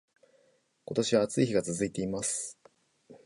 今年は暑い日が続いています